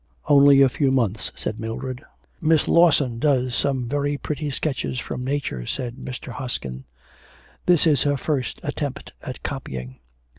'Only a few months,' said Mildred. 'Miss Lawson does some very pretty sketches from nature,' said Mr. Hoskin; 'this is her first attempt at copying.'